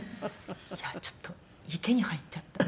「“いやちょっと池に入っちゃった”」